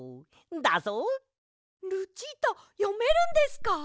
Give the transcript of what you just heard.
ルチータよめるんですか！？